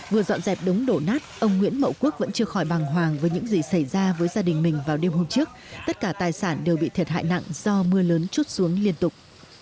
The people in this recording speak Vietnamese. vừa dọn dẹp đống đổ nát ông nguyễn mậu quốc vẫn chưa khỏi bằng hoàng với những gì xảy ra với gia đình mình vào đêm hôm trước tất cả tài sản đều bị thiệt hại nặng do mưa lớn chút xuống liên tục